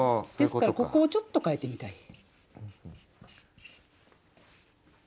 ですからここをちょっと変えてみたい。